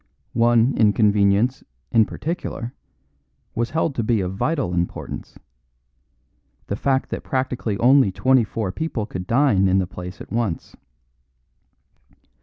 One inconvenience, in particular, was held to be of vital importance: the fact that practically only twenty four people could dine in the place at once.